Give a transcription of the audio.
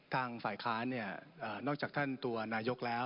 ทางฝ่ายค้านนอกจากท่านตัวนายกแล้ว